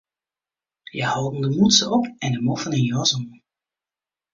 Hja holden de mûtse op en de moffen en jas oan.